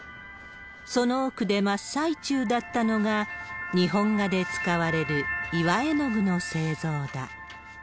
その奥で真っ最中だったのが、日本画で使われる岩絵具の製造だ。